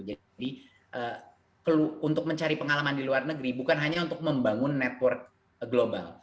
untuk mencari pengalaman di luar negeri bukan hanya untuk membangun network global